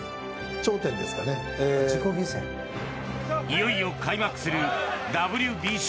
いよいよ開幕するＷＢＣ！